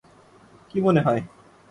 কী মনে হয়?